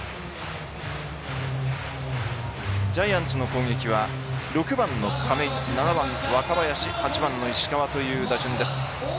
ジャイアンツの攻撃は６番の亀井、７番の若林８番の石川という打順です。